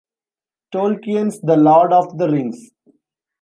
Tolkien's "The Lord of the Rings".